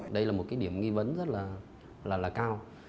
đây là một cái điểm nghi vấn rất là cao